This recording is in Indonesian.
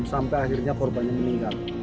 sampai akhirnya korbannya meninggal